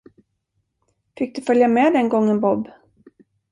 Fick du följa med den gången, Bob?